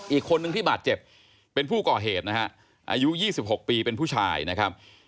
อีกคนนึงที่บาดเจ็บเป็นผู้ก่อเหตุนะฮะอายุ๒๖ปีเป็นผู้ชายนะครับ